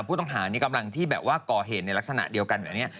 ผู้ต้องหานี่กำลังที่แบบว่าก่อเหตุในลักษณะเดียวกันแบบนี้